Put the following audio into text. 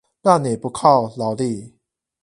讓你不靠勞力